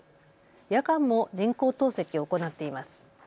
夜間も人工透析を行っています。